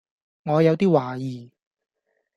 我有啲懷疑